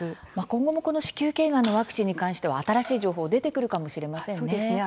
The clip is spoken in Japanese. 今後も子宮頸がんのワクチンに関しては新しい情報出てくるかもしれませんね。